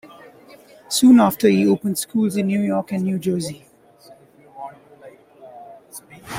Soon after, he opened schools in New York and New Jersey.